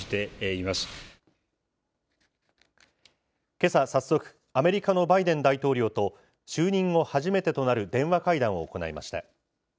けさ早速、アメリカのバイデン大統領と、就任後初めてとなる電話会談を行いました。